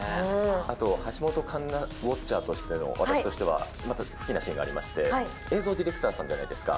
あと、橋本環奈ウォッチャーとしての私としては、また好きなシーンがありまして、映像ディレクターさんじゃないですか。